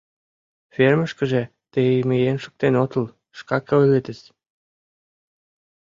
— Фермышкыже тый миен шуктен отыл, шкак ойлетыс.